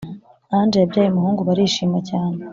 Ange yabyaye umuhungu barishima cyane